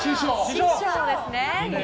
師匠ですね。